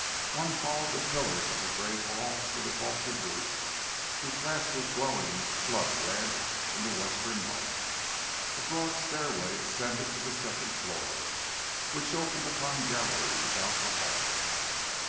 One followed the pillars of the great hall to the vaulted roof, whose glass was glowing blood red in the western light. A broad stairway ascended to the second floor, which opened upon galleries about the hall.